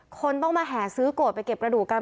คนต้องมาแห่ซื้อโกรธไปเก็บกระดูกกัน